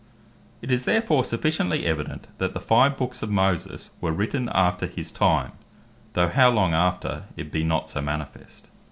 It is therefore sufficiently evident, that the five Books of Moses were written after his time, though how long after it be not so manifest.